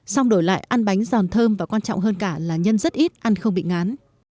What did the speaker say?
xong đổi lại ăn bánh giòn thơm và quan trọng hơn cả là nhân rất ít ăn không bị ngán